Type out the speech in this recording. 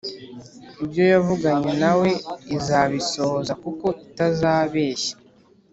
Ibyoyavuganye nawe izabisohoza kuko itazibeshya